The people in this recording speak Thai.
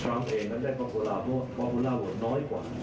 ทรัมป์เองมันได้ปอปพูลาร์โหวตปอปพูลาร์โหวตน้อยกว่า